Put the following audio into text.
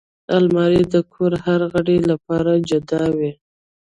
الماري د کور د هر غړي لپاره جدا وي